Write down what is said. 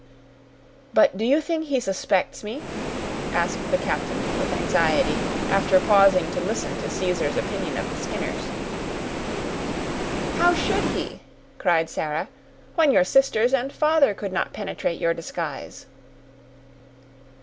"But do you think he suspects me?" asked the captain, with anxiety, after pausing to listen to Caesar's opinion of the Skinners. "How should he?" cried Sarah, "when your sisters and father could not penetrate your disguise."